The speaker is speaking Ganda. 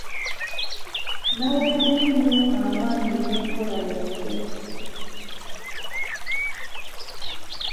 Naweddemu nnyo amaanyi n'enkola yaffe.